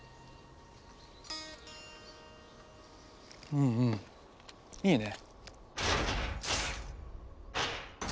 うんうんいいね。